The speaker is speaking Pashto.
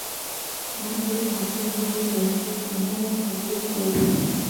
ما ته يې همدومره وويل چې زنانه تکليف لري.